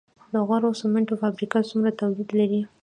د غوري سمنټو فابریکه څومره تولید لري؟